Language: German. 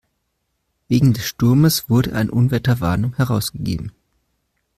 Wegen des Sturmes wurde eine Unwetterwarnung herausgegeben.